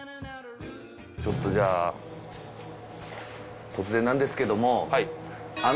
ちょっとじゃあ突然なんですけども。